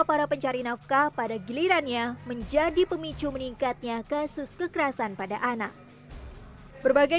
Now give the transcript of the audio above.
para pencari nafkah pada gilirannya menjadi pemicu meningkatnya kasus kekerasan pada anak berbagai